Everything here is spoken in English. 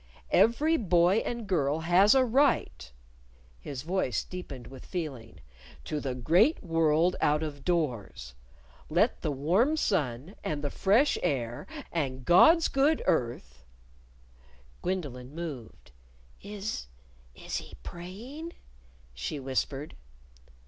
Every boy and girl has a right" (his voice deepened with feeling) "to the great world out of doors. Let the warm sun, and the fresh air, and God's good earth " Gwendolyn moved. "Is is he praying?" she whispered.